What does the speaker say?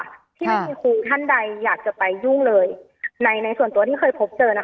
ที่ไม่มีครูท่านใดอยากจะไปยุ่งเลยในในส่วนตัวที่เคยพบเจอนะคะ